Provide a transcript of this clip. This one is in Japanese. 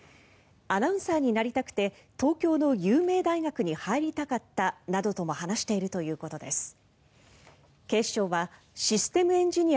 アナウンサーになりたくて東京の有名大学に入りたかったなどとも話しているということです。